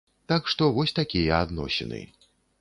Так што вось такія адносіны.